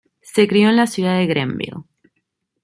Se crio en la ciudad de Greenville.